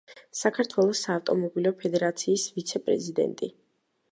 საქართველოს საავტომობილო ფედერაციის ვიცე-პრეზიდენტი.